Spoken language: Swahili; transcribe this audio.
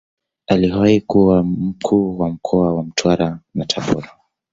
Aliwahi kuwa Mkuu wa mkoa wa Mtwara na Tabora.